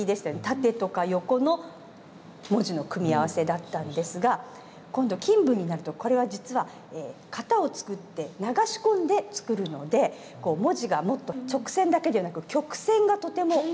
縦とか横の文字の組み合わせだったんですが今度金文になるとこれは実は型を作って流し込んで作るので文字がもっと直線だけじゃなく曲線がとても強調されてますよね。